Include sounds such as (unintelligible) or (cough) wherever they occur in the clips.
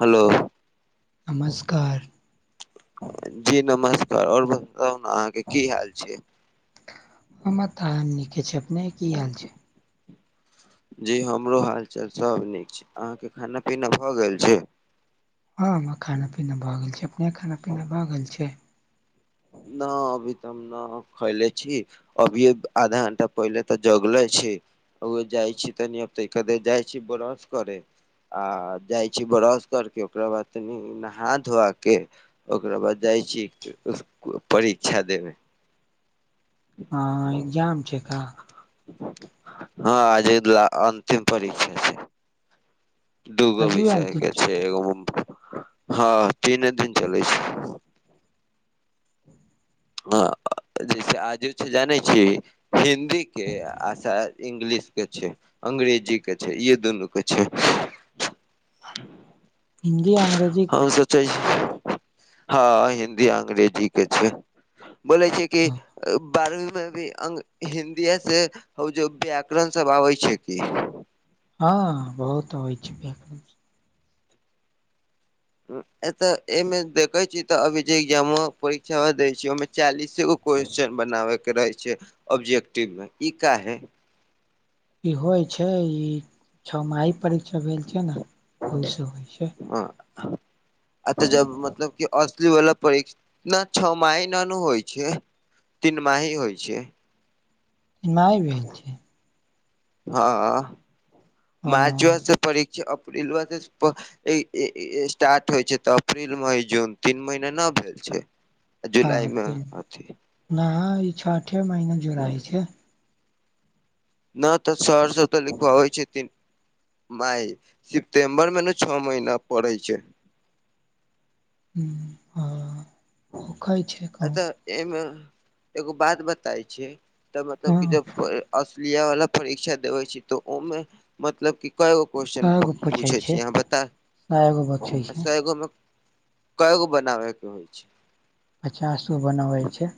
हलो। नमस्कार। जी नमस्कार और बताउ न अहाँके की हाल छै। हमर त नीके छै अपने की हाल छै। जी हमरो हालचाल सब नीक छै अहाँके खाना-पीना भ गेल छै। हँ हमरा खाना-पीना भ गेल छै अपने खाना-पीना भ गेल छै। न अभी तऽ। खैले छी अभीये आधा घंटा पहिले तऽ जगले छी।। ओ जाइ छी तनिब तऽ के जाइ छी ब्रस करे।। आ जाइ छी ब्रश करके ओकरा बाद तनि नहा धोआ के। ओकरा बाद जाइ छी परीक्षा देबै।। ह एग्जाम छै का।। हँ आजे अन्तिम परीक्षा छै। दूगो आजुए अंतिम भषके छै हँ तीने दिन चलै छै।। ह जैसे आज छै जानै छी हिन्दी।। दि के आश इंग्लिश के छै।। अंग्रेजी के छै य दुनू के छै।। हिन्दी अंग्रेजी।। हम हँ हिन्दी अंग्रेजी के छै।। बोले छै कि।। बारहवींमे भी अ हिन्दीएसँ हो जे व्याकरण सब आबै छै कि। हँ बहुत होबइ छै।। ए तऽ एमे देखे छीै तऽ अभी जे एग्जाम परीक्षा दै छी ओहिमे। चालीसेगो क्वेेशचन बनाबेके रहै छै ऑब्जेक्टिवमे ई काहे। ई होइ छै ई छओ महि परीक्षा भेल छै ने ओहिस होइ छै। ह आ तऽ जब मतलब। कि असली वला परीक्षा छ महिना न होइ छै। तीन माही होइ छै। तीन माही भी होइ छै। हँ हँ मार्च वास परीक्षा अप्रिल वासे। स्टार्ट होइ छै तऽ अप्रल मई जून तीन महीने नहि भेल छै। जुलाई हँ मे त अथी न ई छ ठे महिना जौ रह ह छै। न तऽ सरस तऽ लिखबाबय छथिन। मई सितम्बर मे ने छओ महीना पड़ैत छै।। ह हँ ओ खाय छै। कहूँ अछऽ एमे एगो बात बताय छै तऽ मतलब क हँ जब। असलिया वाला परीक्षा देवे छै तऽ ओमे मतलब की कइगो। क्वेश्चन सएगो पूछै छै छी यहाँ बता। सएगो बचै छै कैगो बनाबेके होइ छै। अच्छा आँसू बनाबल छै।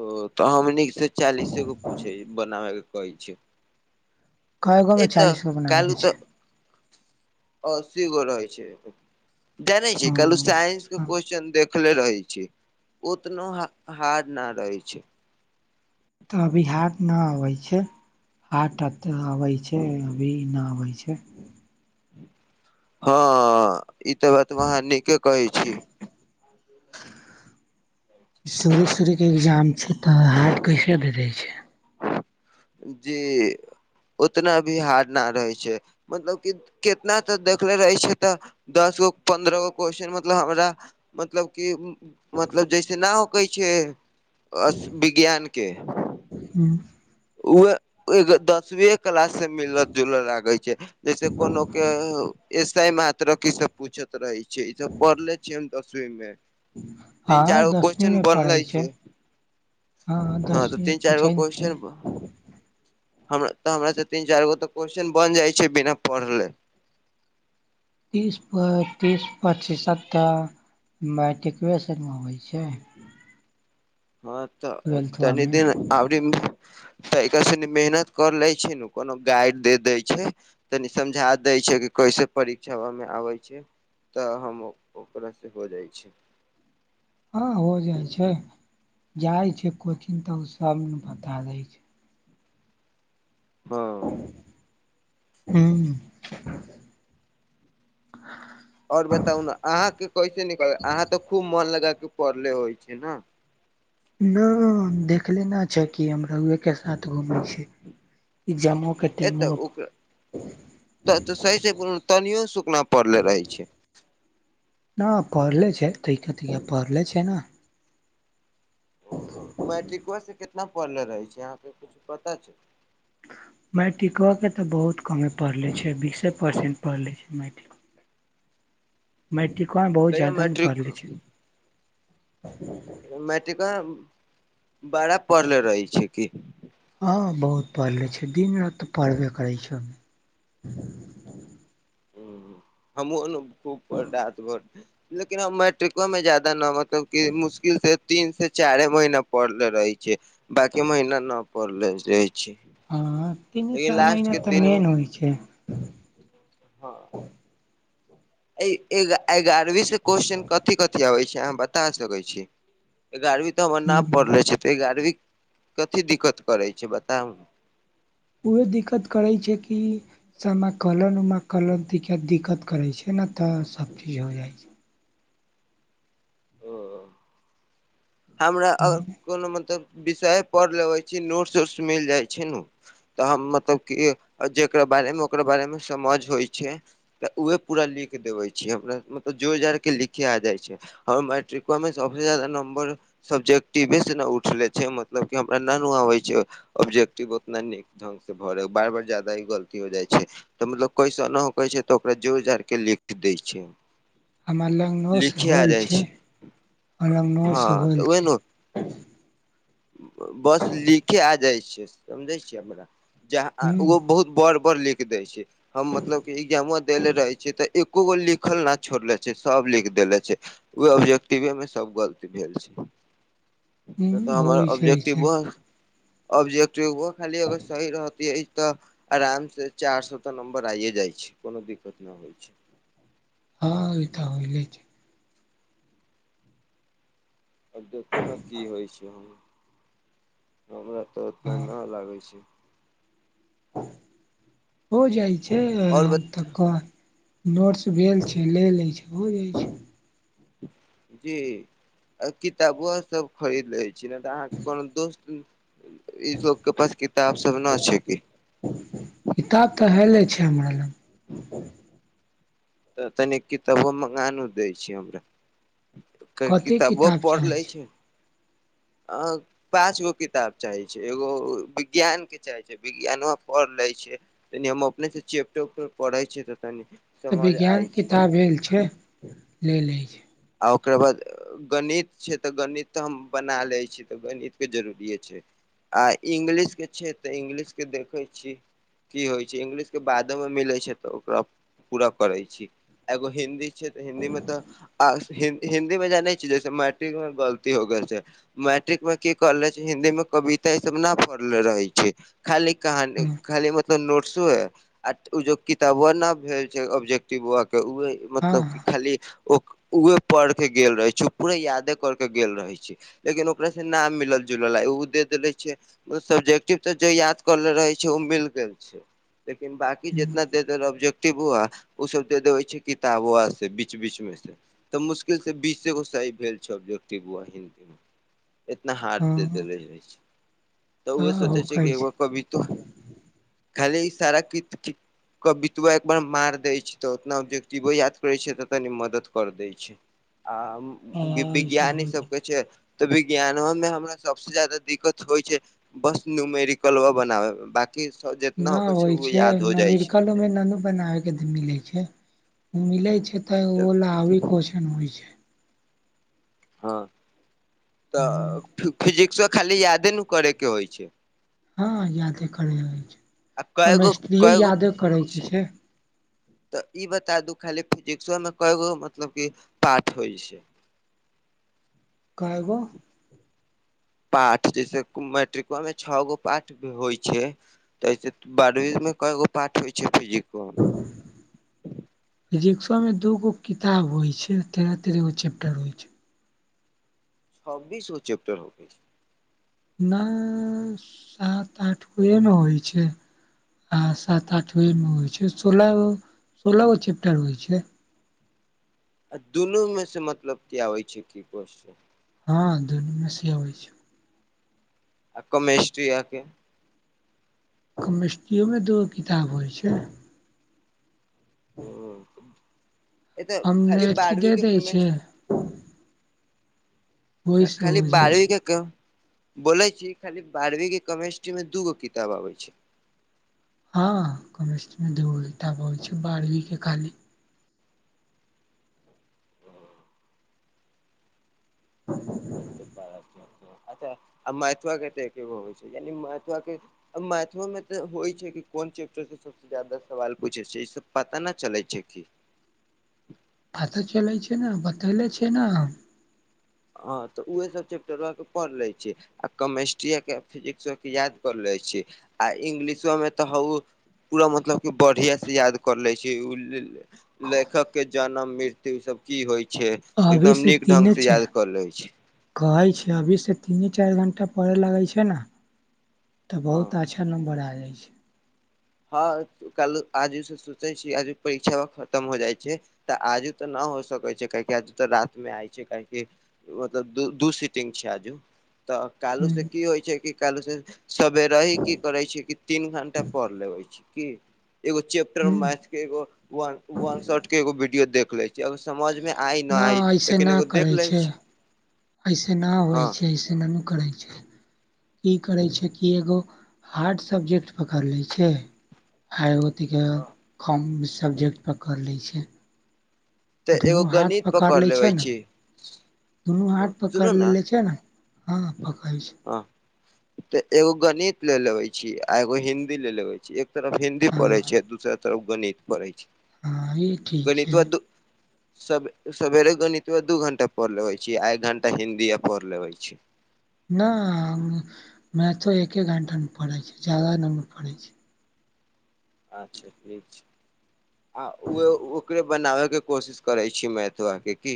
ओ तऽ हम नीक से चालीसगो पूछे बनाबे के कहै छै। कै ए गोमे तऽ चालीसगो कालू बनाबैके तऽ छै। अस्सी गो रहे छै जाने ह छी कहलु साइंस के तऽ क्वेश्चन देख देखले रहै छै उतनो हार न रहे छै। तऽ अभी हाट न अवे छै हाट एत अबे छै। छै अभी नहि आबै छै। हँ ई तऽ बात मे वहाँ नीके कहै छी। सुर-सुर। एग्जाम छै तऽ हार्ड कैसे भे दै छै। जे। उतना भी हार्ड ना रहै छै मतलब कि कितना तऽ देखले रहै छै तऽ। दस गो पन्द्रह गो क्वेश्चन मतलब हमरा मतलब की। मतलब जैसे न होकै छै विज्ञान के। हँ। उह ए दसवी क्लास से मिलत जुलऽ लागे छै। जैसे कोनोक के। ऐसे मात्र क सब पूछत रहे छै ई सब पढ़ले छियै हम दसवी मे हँ तीन चार दसवीं क्वेश्चन मे पढ़ै बनलै छै। हँ तऽ दसवीं मे तीन चार गो पूछै ने छै क्वेशन। तऽ हमरा त तीन चारि गो तऽ क्वेशस््चन बन जाइ छै बिना पढ़ले। तीस प तीस पची सत्तररि। मैट्रिकए सरमे अबै छै। हँ तऽ ट्वेल्थवा तनि मे दिन आब। तऽ एकर से मेहनत कर ले छै ने कोनो गाइड दे दै छै। तनी समझा दै छै कि कैसे परीक्षामे आबै छै। तऽ हम ओकरासँ हो जाइ छै। हँ हो जाइ छै जाइ छै कोचिंग तऽ ओ सब ने बता दै छै। हँ। हू। ओर बताउ ने अहाँके कैसे निक अहाँ तऽ खूब मन लगा के पढ़ले होइ छै ने। न देखलेना छ किी हम रहुएके साथ घुमै छी। एकग्जामो क ए टटा मप। तऽ सहीसँ तनियो सुूकना पड़ले रहै छै। न पढ़ले छै त क त पढ़ले छै ने। मैट्रिकोसँ कितना पढ़ले रहै छै अहाँके किछु पता छै। मेटिकआ के तऽ बहुत कमे पड़ले छै बीस। कतेक परसेन्ट पढ़ि लै छि मैथिल। मैट्रिको बहु तैयो जादा न मैट्रिक परल छै (inaudible) मैट्रिका बारह पढ़ले रहै छै की? हँ बहुत पढ़ि लै छि दिन- राति तऽ पढ़बे करै छि हम। हम खूब रात भर, लेकिन हम मैट्रिको में जादा नमत। तब कि मुश्किलसँ। तीन से चारे महीना पड़ले रहे छै, बाकी महीना न पड़ले रहै छै। एहि लास्ट के तीन म ठीक छै। हँ। एगारहवीं से कोसचन कथि- कथि आबै छै अहाँ बता सकै छी। ए गारवी तऽ हमर ना हूँ पड़ले छियै त ए गारवी कथी दिक्कत करे छै बताउ न। उहे दिक्कत करै छै कि। समय कलम उमा कलम तऽ क दिक्कत करै छै, ने तऽ सभचीज हो जाइ छै। ओ। हमरा हँ कोनो मतलब विषय पढ़ लेबे छी, नोट्स- उट्स मिल जाय छै नु। तऽ हम मतलब कि जेकरा बारे मे ओकरा बारे मे समझ होइ छै। तऽ उहे पूरा लिख देवे छी, हमरा मतलब जोड़- जाड़ी के लिखे आ जाय छै। हम मैट्रिको मे सबसँ ज्यादा नंबर। सबजेक्टिव से उठले छै, मतलब हमरा न आबे छै। ऑब्जेक्टिव उतना नीक ढंगग से भरे, बार -बार ज्यादा ही गलती हो जाइ छै। तऽ मतलब कैसन नहि होकै छै तऽ ओकरा जोर -जार के लिख दै छियै। हमर लगनो से होल छै, लगनो हँ से होल तऽ उहे छै। नु बस लिखे आ जाइ छै समझै छियै हमरा, जहाँ हुं ओ बहुत। बर -बड़ लिख देय छी, हम मतलब की एग्जामो दे ले रहे छी तऽ एक एकोगो लिखल न छोड़ले छि, सब लिख देले छै। ओ ऑब्जेक्टिव मे सब गलती भेल छै। हुं नहि तऽ हमर होइ छै से ब्जेक्टिव ऑब्जेक्टिव खाली अगर सही रहतै तऽ आराम से चारि सए तऽ नम्बर आइए जाइ छै, कोनो दिक्कत नहि होइ छै। हँ, इत होइले छै। आ देखू ने की होइ छै, हम हमरा तऽ ओतना हँ नहि लागै छै। हो जाइ छै आओर आराम बता तक क। नोट्स भेल छै, ले लै छै, हो जाइत छै। जी! आ किताबो सब। खरीद ले छी, ने तऽ अहाँके कोनो दोस्त इ सब के पास किताब सब न छै कि? किताब तऽ हेले छै हमरा लग। (inaudible) तऽ तनी किताबो मंगानो दै छी हमरा। त कथी किताबो किताब पढ़ि चाहै लै छै। अऽ पाँच गो किताब चाहे छै, एगो विज्ञान के चाहे छै। विज्ञान पढ़ लै छिये तनी हम अपने से चेप्टर- उपटर पढ़े छियै तऽ तनि तऽ समझ आय विज्ञान छै किताब भेल छै, ले लै छै। आ ओकर बाद गणित छै तऽ गणित तऽ हम बना लै छी, तऽ गणित के जरुरए छै। आ इंग्लिश के छै, तऽ इंग्लिश के देखैत छी। की होइ छै, इंगलिश के बादो मे मिलै छै तऽ ओकरा पूरा करै छी, एगो हिन्दी। हिन्दी मे तऽ, आ हिन्दी- हिन्दी मे जाने छै जैसे मैट्रिक मे गलती हो गेल छै। मैट्रिक मे की करले छै, हिन्दी मे कविता ई सब न पढ़ल रहै छै। खाली कहानी हँ खाली मू मत नोट्सो ह आ ओ जो किताबो ने भेल छै, ऑब्जेक्टिवा के उहे हँ मतलब कि खाली ओ उए पढ़ के गेल रहे छै, पूराे यादे कर के गेल रहे छै। लेकिन ओकरास से ना मिलल- जुलल ओ दे देेले छै। ओ सब्जेक्टिव तऽ जे याद करले रहे छै, ओ मिल गेल छै, लेकिन बाकी जितना। (unintelligible) ऑब्जेक्टिव ओ सब दे दे छै किताबुआ से बीच-बीच मे से। तऽ मुश्किल से बीसेगो सही भेल छै, ऑब्जेक्टिववा सब। इतना हार्ड हँ दे देले रह छै, तऽ ओह हँ सोचै छै होखै एगो कबितो। खाली सारा कित- कित। कबितुआ एक बार मार देय छै, त उतनाबजटिो याद करे छै तऽ तनी मदद कर देय छै। छै, आ हँ ऐसे बिज्ञानी होइ सबके छै। तऽ विज्ञानो मे हमरा सबसे ज्यदाा दिक्कत होइ छै। बस नूमेरीिकलव बनाबैइम बाकी। कि (unintelligible) न होइ छै नमरिकलमे ना। (unintelligible) बनाब के मिल छै मिले छै, तऽ ओ ली कन होइ छै (unintelligible) हँ, तऽ फिजिक्सो खाली यादे नू करे के होइ छै। हँ यादे करैै ले छै, आ कएगो केमेस्ट्रीयो कएगो यादे करै के छै। तऽ ई बता दू खाली, फिजिक्सो मे कैगो मतलब की पाठ होइ छै? कायगो। पाठ जैसे मैट्रिकवा मे छ गो पाट होइ छै। त बारहवी मे के गो पाठ होइ छै फिजिक फिजिक्सो में दूगो किताब होइ छै, तेरह-तेरहगो चैप्टर होय छै। छबबीसगो चेप्टर होइछै। नहि सात आठ गोए ये मे होइ छै। आ सात आठव मे होइ छै, सोलह गो सोलह गो चैप्टर होइ छै। आ दुनू में से मतलब की आबै छै की क्वेश्चन। हँ दुनु मे से अबै छै। कोमेस्ट्रीया आ के। कमिस्ट्रिओमे दूगो किताब होइ छै। ए तऽ हमने खाली अथि दे बारहवीं के दै छै। केमेस्ट्री खा ओहि से हो खाली जाइ बारही छै के कहु। बोलै छी, खाली बारहवींके केमेिस्ट्रीमे दूगो किताब आबैत छै। हँ, केमिस्ट्री मे दूगो किताब अबै छै बढ़वी के खाली। ह (inaudible) हँ ह एक ह सौ (inaudible) अच्छा आ मैथवा के त केवो होइ छै यानि मेथवाके (unintelligible) मैथो मे तऽ होइ छै कि कोन चैप्टर के सबसे ज्यादा ज सवाल पूछै, छै ई सब पता न चलै छै कि? पता चलै छै ने, बतेले छै ने। हँ तऽ उहे सब चैप्टर ल के पढ़ ले छीयै। आ केमेस्ट्री के फिजिक्सो के याद कर ले छी, आ इंग्लिशोमे तऽ हउ पूरा मतलब क बढ़िया से याद कर ले छै, लेखक के जनम- मृत्य। इ सब की होइ छै अभी एकदम से नीक ढंग तीने से छै याद क लै छी। कहै छै अभी से तीने चारि घण्टा पढ़ै लगैत छै ने त हँ बहुत अच्छा नंबर आयल अछि। हँ कल आजु से सोचै छी, आजूक परीक्षा खतम हो जाइ छै। त आज त न हो सकै छै काहि आज त रात मे आइ छै काहे कि ओ त दू सीटिंग छै आजु त काल्हि से की ह होइ छै की काल्हि से सवेरे ही की करे छै कि तीन घंटा पढ़ लेबै छी कि, एगो चैप्टर मैथ के एगो व वन शॉट के एगो वीडियो देख ले छी। अगर समझमे आइ नै न आइ लेकिन एगो देख लै छी। अइसे ना हँ आबै छै अइसे नहि ना करै छै। की करै छै कि एगो हार्ड सब्जेक्ट पकड़ि लै छै आ अथिके कम सब्जेक्ट पकरि लै छियै। तऽ एगो दुनू हाथ गणित पकड़ लै छै लेबै ने छी दुनू हँ हाट सुनू पकड़ि लेले छै ने हँ पकड़ै छै हं, त एगो गणित ले लेबे छियै आ एगो हिन्दी ले लेबे छी एक तरफ हि कि पढ़ै हँ छै दूसरा तरफ गणित पढ़ै छै हँ ई ठीक छै गणितबा त सब सबेरे गणितबा दू घंटा पढ़ लेबे छै आ एक घंटा हिन्दी आ पढ़ लेवे छी न मैथो एके घण्टामे पढ़े छी जादा न पढ़ै छी अच्छा ठीक छै आ ओ ओकरे बनाबे के कोशिश करै छी मैथबाके की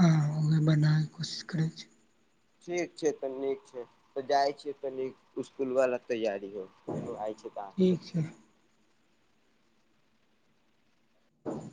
हँ ओही के बनाबैके कोशिश करै छियै ठीक छै त नीक छै त जाइ छियै तनी इसकुलवला तैयारियो एन आइ छी ठीक तहाँ छै (inaudible)